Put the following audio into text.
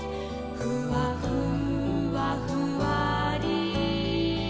「ふわふわふわり」